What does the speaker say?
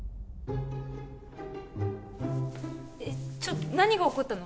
えっちょっ何が起こったの？